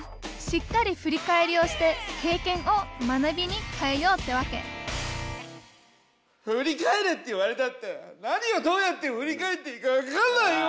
しっかり振り返りをして経験を学びに変えようってわけ振り返れって言われたって何をどうやって振り返っていいかわかんないよ。